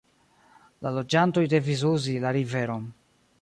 La loĝantoj devis uzi la riveron.